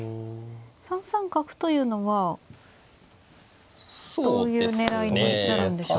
３三角というのはどういう狙いになるんでしょうか。